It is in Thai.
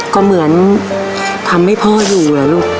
ก็เหมือนทำให้พ่ออยู่เหรอลูก